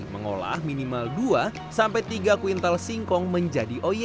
mengolah minimal dua sampai tiga kuintal singkong menjadi oyen